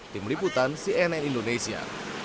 tim liputan cnn indonesia